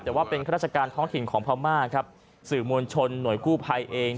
แต่ว่าเป็นข้าราชการท้องถิ่นของพม่าครับสื่อมวลชนหน่วยกู้ภัยเอง